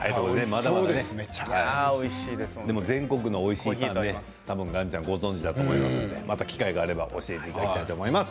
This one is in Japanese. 全国のおいしいパンを多分、岩ちゃんご存じだと思いますのでまた機会があれば教えていただきたいと思います。